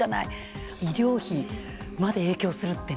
医療費まで影響するってね。